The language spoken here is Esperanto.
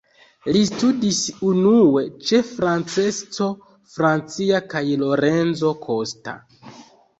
Li studis unue ĉe Francesco Francia kaj Lorenzo Costa.